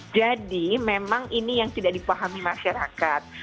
jadi memang ini yang tidak dipahami masyarakat